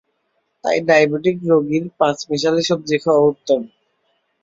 তাই ডায়াবেটিক রোগীর পাঁচমিশালী সবজি খাওয়া উত্তম।